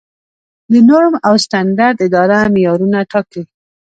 د نورم او سټنډرډ اداره معیارونه ټاکي؟